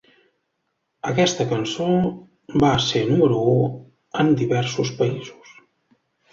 Aquesta cançó va ser número u en diversos països.